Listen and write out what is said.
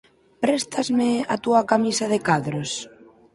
Préstasme a túa camisa de cadros?